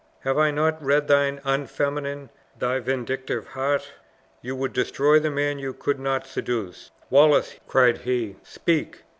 Have I not read thine unfeminine, thy vindictive heart? You would destroy the man you could not seduce! Wallace!" cried he, "speak.